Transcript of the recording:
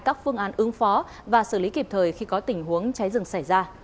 các phương án ứng phó và xử lý kịp thời khi có tình huống cháy rừng xảy ra